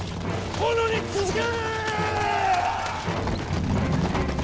殿に続け！